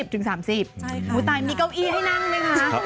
ตายมีเก้าอี้ให้นั่งไหมคะ